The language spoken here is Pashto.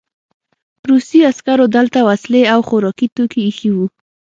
روسي عسکرو دلته وسلې او خوراکي توکي ایښي وو